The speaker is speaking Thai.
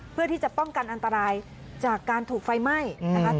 เพื่อที่จะป้องกันอันตรายจากการถูกไฟไหม้นะคะ